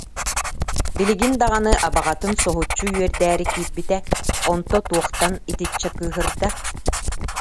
Билигин даҕаны абаҕатын соһуччу үөрдээри киирбитэ, онто туохтан итиччэ кыыһырда